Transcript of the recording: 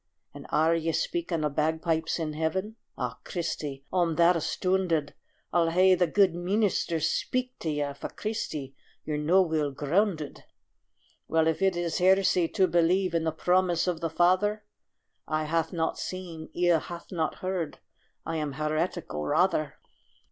"And are ye speaking o' bagpipes in Heaven? Ah, Christy, I'm that astoonded I'll hae the guid meenister speak tae ye, For, Christy, ye're no weel groonded." Well, if it is heresy to believe In the promise of the Father, "Eye hath not seen, ear hath not heard," I am heretical, rather.